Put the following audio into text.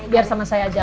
biar sama saya aja